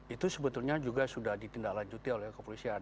itu sebetulnya juga sudah ditindaklanjuti oleh kepolisian